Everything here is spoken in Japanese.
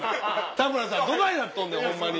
田村さんどないなっとんねんホンマに！